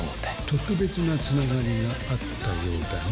特別な繋がりがあったようだね。